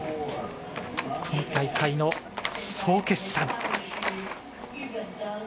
この大会の総決算。